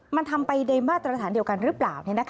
มันทำไปในมาตรฐานเดียวกันหรือเปล่า